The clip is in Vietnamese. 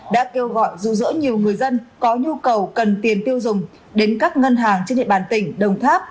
đã kêu gọi rủ rỡ nhiều người dân có nhu cầu cần tiền tiêu dùng đến các ngân hàng trên địa bàn tỉnh đồng tháp